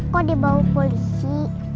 kok dibawa polisi